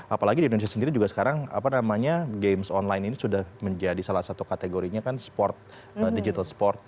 apalagi di indonesia sendiri juga sekarang apa namanya games online ini sudah menjadi salah satu kategorinya kan sport digital sport